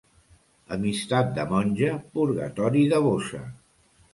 Amistat de monja, purgatori de bossa.